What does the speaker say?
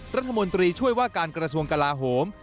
รัฐมนตรีช่วยว่าการกระทรวงกลาโหม